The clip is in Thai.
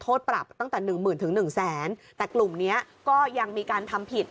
โทษปรับตั้งแต่หนึ่งหมื่นถึงหนึ่งแสนแต่กลุ่มเนี้ยก็ยังมีการทำผิด